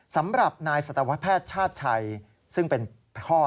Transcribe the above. สำหรับนายสัตวแพทย์ชาติชัยซึ่งเป็นพ่อ